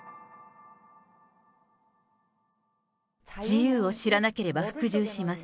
自由を知らなければ服従します。